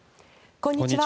こんにちは。